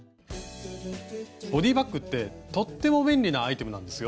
ボディーバッグってとっても便利なアイテムなんですよ。